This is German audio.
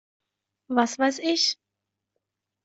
Was weiß ich!